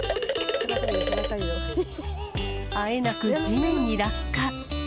あえなく地面に落下。